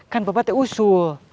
kan bapak tuh usul